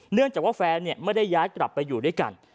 เนื่องจากว่าแฟนไม่ได้ย้ายกลับไปอยู่ด้วยกัน